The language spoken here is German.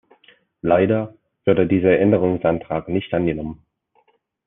Leider wurde dieser Änderungsantrag nicht angenommen.